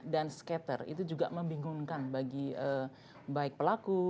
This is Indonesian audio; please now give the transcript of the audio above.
dan scatter itu juga membingungkan bagi baik pelaku